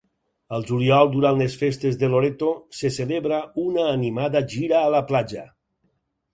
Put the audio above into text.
Al juliol durant les festes de Loreto se celebra una animada gira a la platja.